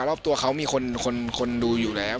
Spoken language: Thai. รอบตัวเขามีคนดูอยู่แล้ว